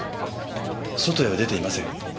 外へは出ていません。